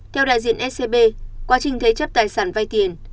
theo đại diện scb quá trình thế chấp tài sản vay tiền